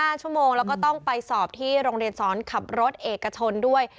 ชั่วโมงแล้วก็ต้องไปสอบที่โรงเรียนสอนขับรถเอกชนด้วย